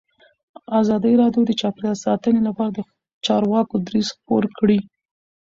ازادي راډیو د چاپیریال ساتنه لپاره د چارواکو دریځ خپور کړی.